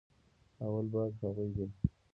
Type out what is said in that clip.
اول بايد هغوي دې